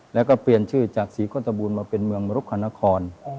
แล้วก็เปลี่ยนชื่อจากศรีโฆษบูลมาเป็นเมืองมรุกคณคร